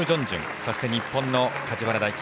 そして日本の梶原大暉。